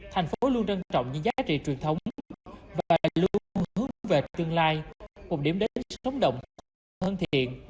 thành phố luôn trân trọng những giá trị truyền thống và luôn hướng về tương lai một điểm đến sống đồng hồ hơn thiện